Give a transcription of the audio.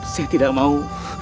saya tidak mau